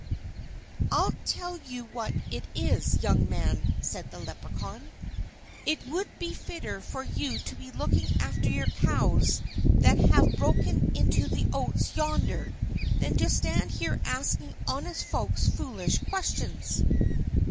"I'll tell you what it is, young man," said the Leprechaun, "it would be fitter for you to be looking after your cows that have broken into the oats yonder, than to stand here asking honest folks foolish questions!"